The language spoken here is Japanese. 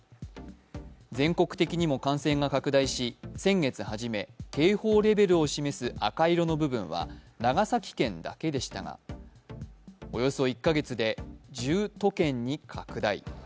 全国的にも感染が拡大し先月初め、警報レベルを示す赤色の部分は長崎県だけでしたが、およそ１か月で１０都県に拡大。